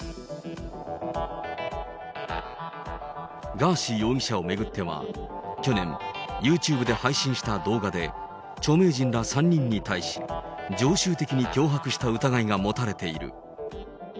ガーシー容疑者を巡っては去年、ユーチューブで配信した動画で、著名人ら３人に対し、常習的に脅迫した疑いが持たれている。